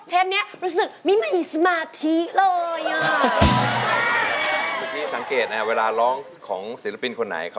เทปเนี่ยรู้สึกไม่มีสมาธิเลย